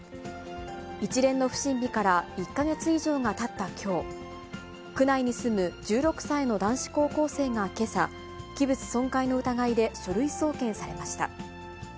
一連の不審火から１か月以上がたったきょう、区内に住む１６歳の男子高校生がけさ、器物損壊の疑いで書類送検されました。